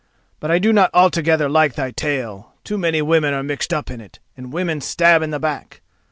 But I do not altogether like thy tale. Too many women are mixed up in it, and women stab in the back.